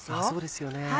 そうですよね。